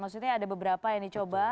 maksudnya ada beberapa yang dicoba